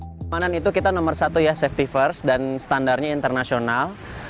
keamanan itu kita nomor satu ya safety first dan standarnya internasional